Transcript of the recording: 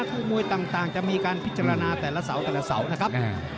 คู่มวยต่างจะมีการพิจารณาแต่ละเสาร์แต่ละเสานะครับ